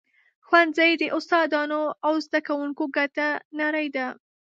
ښوونځی د استادانو او زده کوونکو ګډه نړۍ ده.